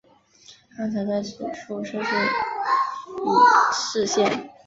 汉朝在此处设置己氏县。